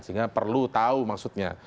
sehingga perlu tahu maksudnya